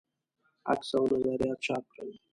عکس او نظریات چاپ کړل.